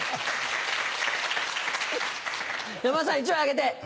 山田さん１枚あげて。